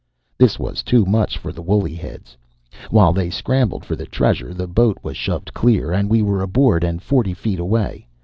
This was too much for the woolly heads. While they scrambled for the treasures, the boat was shoved clear, and we were aboard and forty feet away.